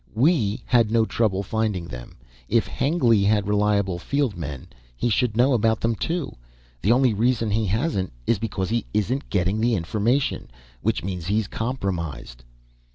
We had no trouble finding them. If Hengly had reliable field men, he should know about them, too. The only reason he hasn't is because he isn't getting the information. Which means he's compromised."